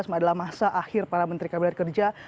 dua ribu sembilan belas adalah masa akhir para menteri kabinet kerja